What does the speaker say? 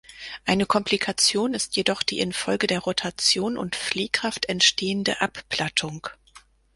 Eine Komplikation ist jedoch die infolge der Rotation und Fliehkraft entstehende Abplattung.